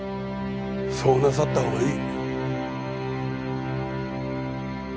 そうなさった方がいい。